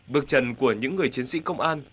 bước trần của những người chiến sĩ công an